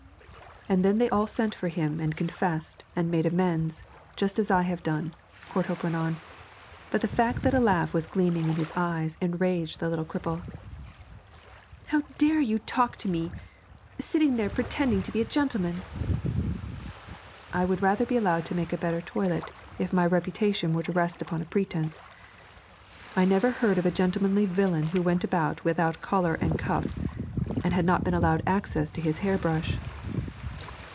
'And then they all sent for him and confessed and made amends, just as I have done,' Courthope went on; but the fact that a laugh was gleaming in his eyes enraged the little cripple. 'How dare you talk to me, sitting there pretending to be a gentleman!' 'I would rather be allowed to make a better toilet if my reputation were to rest upon a pretence. I never heard of a gentlemanly villain who went about without collar and cuffs, and had not been allowed access to his hair brush.'